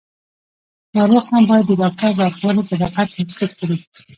ناروغ هم باید د ډاکټر لارښوونې په دقت تعقیب کړي.